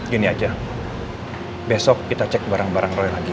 gini aja besok kita cek barang barang role lagi